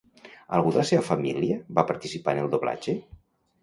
Algú de la seva família va participar en el doblatge?